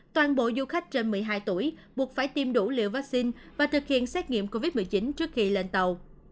toàn bộ du khách trên một mươi hai tuổi buộc phải tiêm đủ liều vaccine và thực hiện xét nghiệm covid một mươi chín trước khi lên tàu